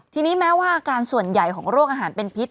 ทีนี้แม้ว่าอาการส่วนใหญ่ของโรคอาหารเป็นพิษ